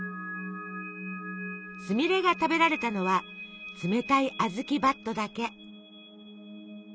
すみれが食べられたのは冷たいあずきばっとだけ。